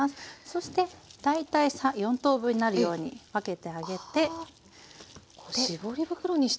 そして大体４等分になるように分けてあげてあ絞り袋にして。